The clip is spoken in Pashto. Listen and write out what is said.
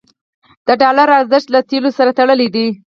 د ډالر ارزښت له تیلو سره تړلی دی.